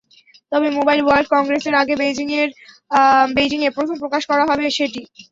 তবে mobile world কংগ্রেসের আগে বেইজিংয়ে প্রথম প্রকাশ করা হবে সেটি।